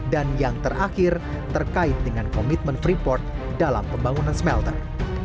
dan yang terakhir terkait dengan komitmen freeport dalam pembangunan smelter